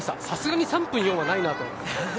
さすがに３分４はないなと。